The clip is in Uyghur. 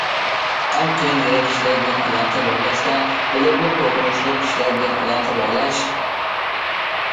ئەڭ قىيىن يېرى كىشىلەر بىلەن ئالاقە باغلاشتا، بولۇپمۇ قورقۇنچلۇق كىشىلەر بىلەن ئالاقە باغلاش.